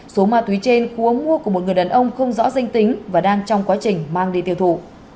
số ma túy trên cuốn mua của một người đàn ông không rõ danh tính và đang trong quá trình mang đi tiêu thụ